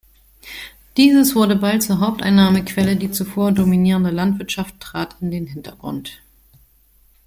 Dieses wurde bald zur Haupteinnahmequelle, die zuvor dominierende Landwirtschaft trat in den Hintergrund.